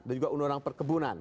dan juga undang undang perkebunan